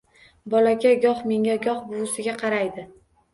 Bolakay goh menga, goh buvisiga qaraydi